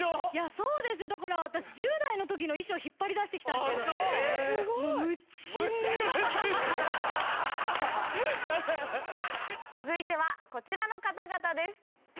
そうですよだから私１０代の時の衣装引っ張り出して来たんですけど。続いてはこちらの方々です。